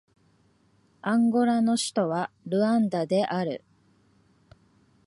アンゴラの首都はルアンダである